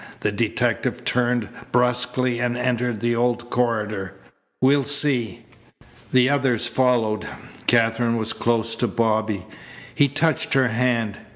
The detective turned brusquely and entered the old corridor. "We'll see." The others followed. Katherine was close to Bobby. He touched her hand.